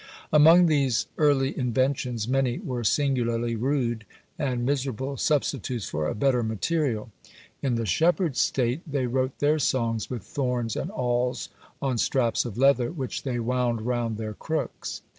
Among these early inventions many were singularly rude, and miserable substitutes for a better material. In the shepherd state they wrote their songs with thorns and awls on straps of leather, which they wound round their crooks.